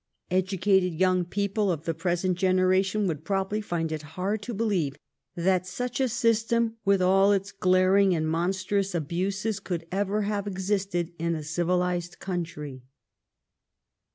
Educated young people of the present generation would probably find it hard to believe that such a system, with all its glaring and mon strous abuses, could ever have existed in a civilized country.